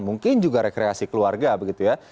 mungkin juga rekreasi keluarga begitu ya